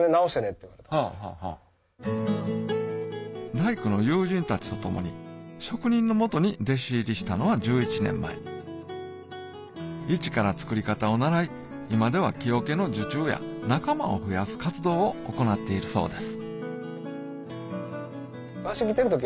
大工の友人たちと共に職人の下に弟子入りしたのは１１年前一から作り方を習い今では木桶の受注や仲間を増やす活動を行っているそうです